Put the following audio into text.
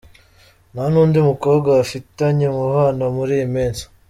Nta n’undi mukobwa bafitanye umubano muri iyi minsi.